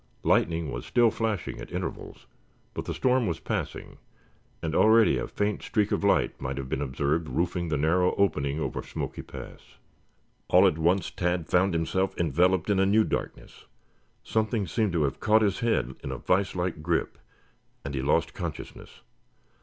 Lightning was still flashing at intervals, but the storm was passing, and already a faint streak of light might have been observed roofing the narrow opening over Smoky Pass. All at once Tad found himself enveloped in a new darkness. Something seemed to have caught his head in a vise like grip, and he lost consciousness.